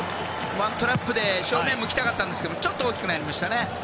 ワントラップで正面向きたかったんですけどちょっと大きくなりましたね。